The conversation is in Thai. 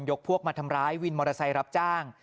พวกมาทำร้ายวินมอเตอร์ไซค์รับจ้าง